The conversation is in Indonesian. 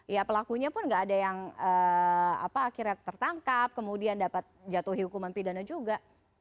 ya pelakunya pun nggak ada yang akhirnya tertangkap kemudian dapat jatuhi hukuman pidana juga